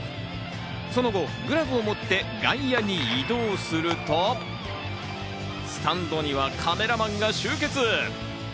その後、グラブを持って、外野に移動すると、スタンドにはカメラマンが集結。